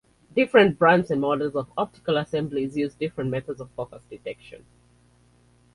Different brands and models of optical assemblies use different methods of focus detection.